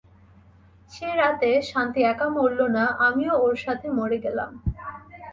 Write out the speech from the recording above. সেই রাতে শান্তি একা মরলো না, আমিও ওর সাথে মরে গেলাম।